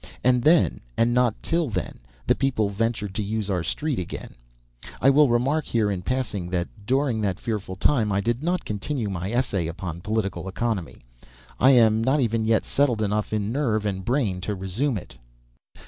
And then, and not till then, the people ventured to use our street again. I will remark here, in passing, that during that fearful time I did not continue my essay upon political economy. I am not even yet settled enough in nerve and brain to resume it.